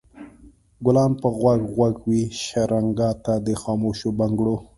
ګلان به غوږ غوږ وي شرنګا ته د خاموشو بنګړو